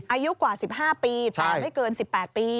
อายุกว่า๑๕ปีแต่ไม่เกิน๑๘ปี